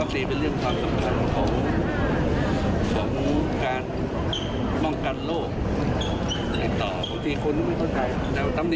แต่ว่าตำหนิลูกพักษ์ไปแล้วล่ะ